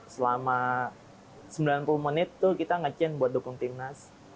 selama sembilan puluh menit tuh kita nge chain buat dukung timnas